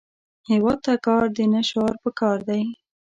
هیواد ته کار، نه شعار پکار دی